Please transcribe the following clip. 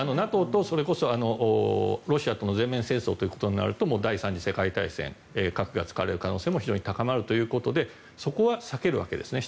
ＮＡＴＯと、それこそロシアとの全面戦争となるともう第３次世界大戦核が使われる可能性も非常に高まるということでそこは避けるわけですね。